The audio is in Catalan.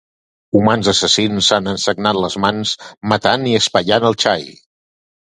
Humans assassins s'han ensagnat les mans matant i espellant el xai.